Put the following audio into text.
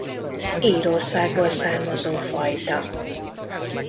Írországból származó fajta.